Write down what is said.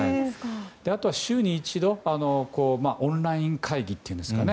あとは週に一度オンライン会議っていうんですかね。